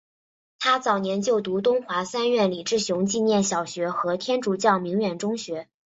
他早年就读东华三院李志雄纪念小学和天主教鸣远中学。